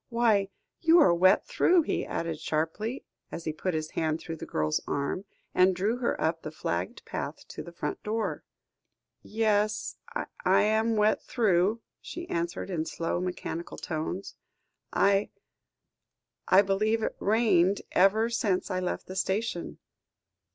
Why, you are wet through," he added sharply, as he put his hand through the girl's arm, and drew her up the flagged path to the front door. "Yes, I'm wet through," she answered in slow, mechanical tones. "I I believe it has rained ever since I left the station."